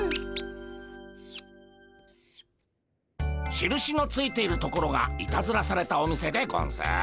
しるしのついているところがいたずらされたお店でゴンス。